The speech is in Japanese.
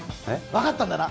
分かったんだな